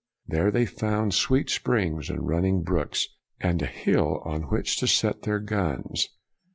There they found sweet springs and running brooks, and a hill on which to set their guns.